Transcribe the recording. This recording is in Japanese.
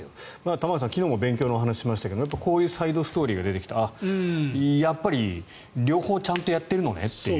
玉川さん、昨日も勉強のお話をしましたがこういうサイドストーリーが出てきてあ、やっぱり両方ちゃんとやってるのねという。